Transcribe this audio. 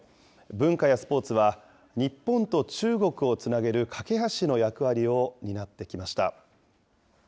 文化やスポーツは日本と中国をつなげる懸け橋の役割を担ってきま